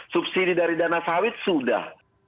subsidi dari dana sawit sudah